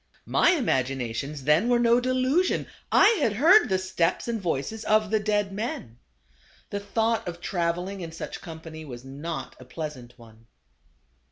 My imaginations then were no delusion ; I had heard the steps and voices of the dead men. The thought of travel ing in such company was not a pleasant one.